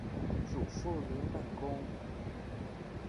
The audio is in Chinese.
祖父鲁本恭。